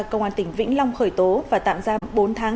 công an tỉnh vĩnh long khởi tố và tạm giam bốn tháng